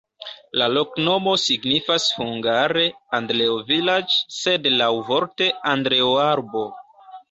La loknomo signifas hungare: Andreo-vilaĝ', sed laŭvorte Andreo-arbo.